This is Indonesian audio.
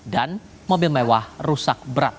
dan mobil mewah rusak berat